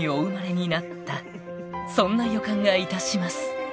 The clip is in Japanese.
［そんな予感がいたします］